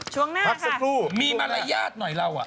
ช่วงหน้าค่ะพักสักครู่มีมาลยาธินถึงหน่อยเราอ่ะ